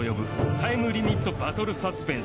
タイムリミットバトルサスペンス